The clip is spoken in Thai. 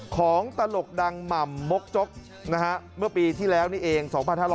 ตลกดังหม่ำมกจกนะฮะเมื่อปีที่แล้วนี่เอง๒๕๖๐